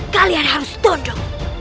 kalian harus tunduk